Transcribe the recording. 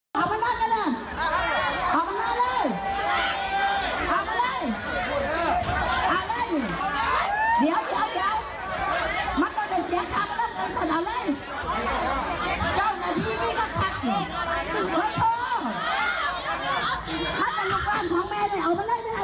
ขอบคุณว่ามาที่ใจแต่ผู้ตัดกับคุณพะทู